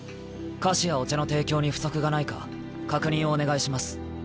菓子やお茶の提供に不足がないか確認をお願いします。